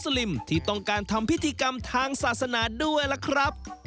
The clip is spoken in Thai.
สำหรับชาวมุสลิมที่ต้องการทำพิถีกรรมทางศาสนาด้วยครับ